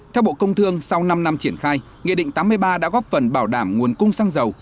theo bộ công thương sau năm năm triển khai nghị định tám mươi ba đã góp phần bảo đảm nguồn cung xăng dầu